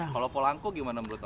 kalau polanco gimana menurut aku